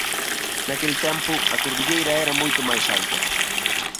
Naquel tempo a cordilleira era moito máis alta.